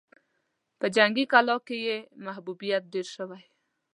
په جنګي کلا کې يې محبوبيت ډېر شوی و.